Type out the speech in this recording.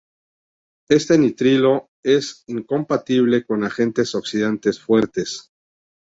Este nitrilo es incompatible con agentes oxidantes fuertes.